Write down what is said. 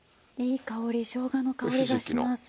いい香りしょうがの香りがします。